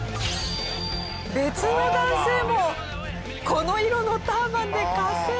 別の男性もこの色のターバンで加勢！